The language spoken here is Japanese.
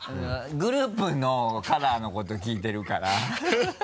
グループのカラーのこと聞いてるから